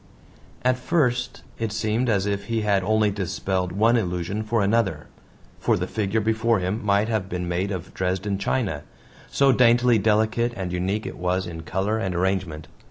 At first it seemed as if he had only dispelled one illusion for another. For the figure before him might have been made of Dresden china so daintily delicate and unique it was in color and arrangement.